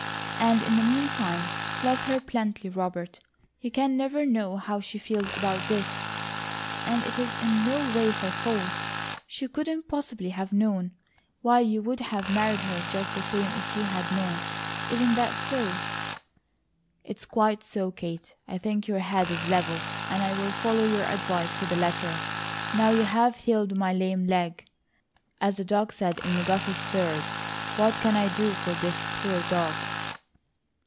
And in the meantime, love her plenty, Robert. You can never know how she FEELS about this; and it's in no way her fault. She couldn't possibly have known; while you would have married her just the same if you had known. Isn't that so?" "It's quite so. Kate, I think your head is level, and I'll follow your advice to the letter. Now you have 'healed my lame leg,' as the dog said in McGuffey's Third, what can I do for THIS poor dog?"